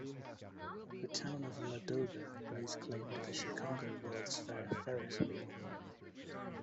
The town of Ladoga lays claim to the Chicago World's Fair Ferris Wheel.